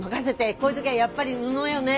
こういう時はやっぱり布よね。